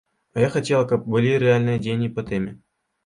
А я хацела, каб былі рэальныя дзеянні па тэме.